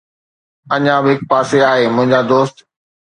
اڃا به هڪ پاسي آهي، منهنجا دوست